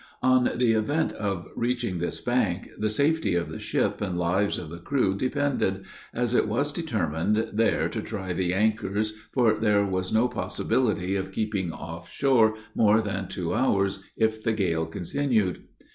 On the event of reaching this bank, the safety of the ship and lives of the crew depended, as it was determined there to try the anchors, for there was no possibility of keeping off shore more than two hours, if the gale continued.